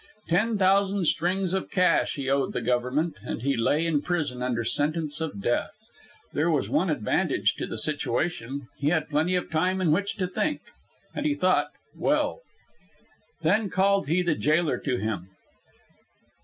Ten thousand strings of cash he owed the Government, and he lay in prison under sentence of death. There was one advantage to the situation he had plenty of time in which to think. And he thought well. Then called he the jailer to him.